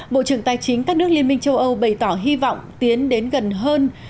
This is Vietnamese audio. bộ trưởng tài chính các nước liên minh châu âu bày tỏ hy vọng tiến đến gần hơn